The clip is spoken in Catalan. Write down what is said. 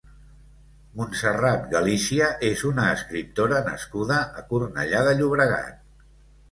Montserrat Galícia és una escriptora nascuda a Cornellà de Llobregat.